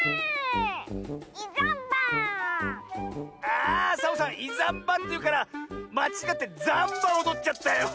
あサボさん「いざんば」っていうからまちがってザンバおどっちゃったよ。